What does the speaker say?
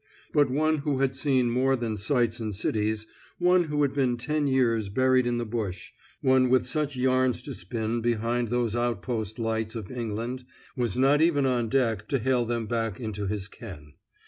But one who had seen more than sights and cities, one who had been ten years buried in the bush, one with such yarns to spin behind those outpost lights of England, was not even on deck to hail them back into his ken.